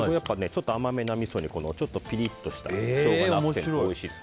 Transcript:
ちょっと甘めなみそにピリッとしたショウガがおいしいです。